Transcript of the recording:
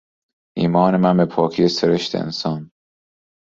ایمان من به پاکی سرشت انسان